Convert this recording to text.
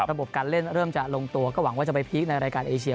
ระบบการเล่นเริ่มจะลงตัวก็หวังว่าจะไปพีคในรายการเอเชีย